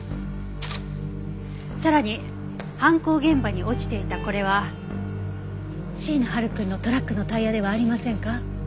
さらに犯行現場に落ちていたこれは椎名晴くんのトラックのタイヤではありませんか？